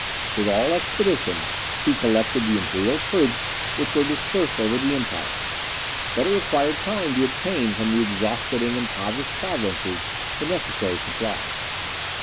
With all expedition, he collected the imperial troops which were dispersed over the empire; but it required time to obtain from the exhausted and impoverished provinces the necessary supplies.